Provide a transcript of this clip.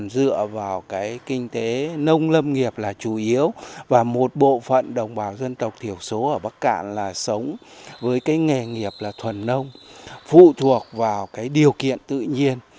tựa vào kinh tế nông lâm nghiệp là chủ yếu và một bộ phận đồng bào dân tộc thiểu số ở bắc cạn là sống với nghề nghiệp thuần nông phụ thuộc vào điều kiện tự nhiên